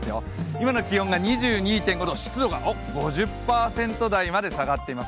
今の気温が２２．５度、湿度が５０％台まで下がっています。